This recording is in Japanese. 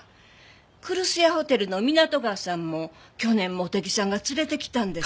来栖屋ホテルの湊川さんも去年茂手木さんが連れてきたんです。